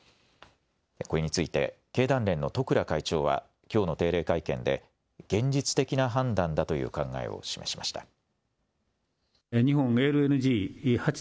これについて経団連の十倉会長はきょうの定例会見で現実的な判断だという考えを示しました。